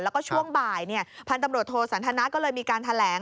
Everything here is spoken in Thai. แล้วก็ช่วงบ่ายพันธุ์ตำรวจโทสันทนาก็เลยมีการแถลง